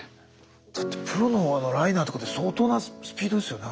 だってプロのライナーとかって相当なスピードですよねあれ。